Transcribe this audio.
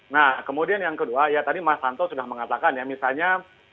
nah kemudian yang kedua ya tadi mas santo sudah mengatakan ya misalnya